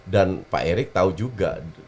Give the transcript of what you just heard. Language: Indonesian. dan pak erik tau juga